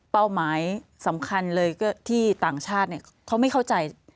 หมายสำคัญเลยก็ที่ต่างชาติเขาไม่เข้าใจ